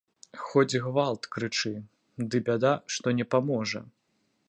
Хоць гвалт крычы, ды бяда, што не паможа.